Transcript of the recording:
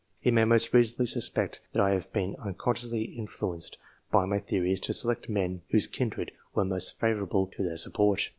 He may most reason ably suspect that I have been unconsciously influenced by my theories to select men whose kindred were most favourable to their support.